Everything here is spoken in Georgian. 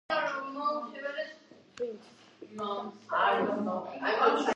მაგრამ ჯანიბექის მოკვლის შემდეგ დაიწყო ოქროს ურდოს დაცემა.